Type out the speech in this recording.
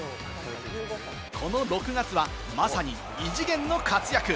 この６月はまさに異次元の活躍。